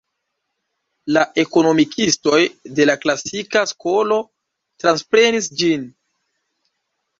La ekonomikistoj de la klasika skolo transprenis ĝin.